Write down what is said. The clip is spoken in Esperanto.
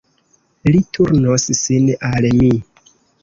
Li turnos sin al mi.